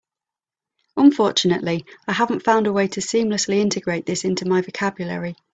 Unfortunately, I haven't found a way to seamlessly integrate this into my vocabulary.